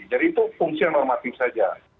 jadi itu fungsi yang normatif saja